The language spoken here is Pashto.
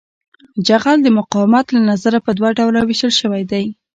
جغل د مقاومت له نظره په دوه ډلو ویشل شوی دی